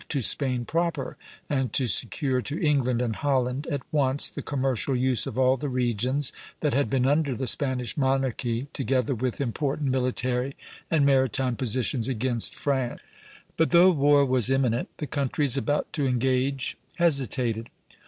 to Spain proper, and to secure to England and Holland at once the commercial use of all the regions that had been under the Spanish monarchy, together with important military and maritime positions against France." But though war was imminent, the countries about to engage hesitated.